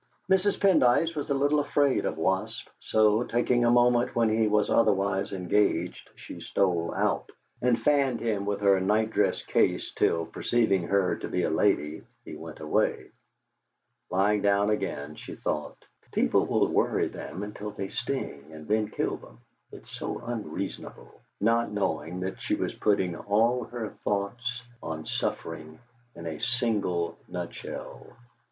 Mrs. Pendyce was a little afraid of wasps, so, taking a moment when he was otherwise engaged, she stole out, and fanned him with her nightdress case till, perceiving her to be a lady, he went away. Lying down again, she thought: 'People will worry them until they sting, and then kill them; it's so unreasonable,' not knowing that she was putting all her thoughts on suffering in a single nutshell.